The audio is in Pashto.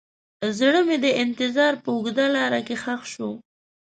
زړه مې د انتظار په اوږده لاره کې ښخ شو.